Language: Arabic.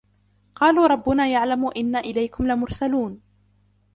قَالُوا رَبُّنَا يَعْلَمُ إِنَّا إِلَيْكُمْ لَمُرْسَلُونَ